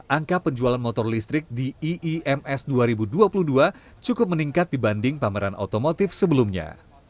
angka penjualan motor listrik di iims dua ribu dua puluh dua cukup meningkat dibanding pameran otomotif sebelumnya